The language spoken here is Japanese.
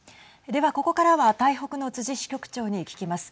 では、ここからは台北の逵支局長に聞きます。